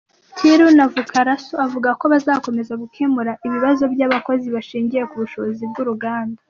Thiru Navukkarasu avuga ko bazakomeza gukemura ibibazo by’abakozi bashingiye ku bushobozi bw’uruganda.